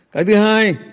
cái thứ hai